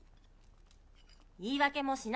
言い訳もしないの！